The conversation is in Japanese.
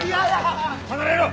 離れろ！